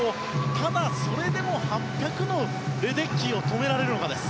ただ、それでも８００のレデッキーを止められるのかです。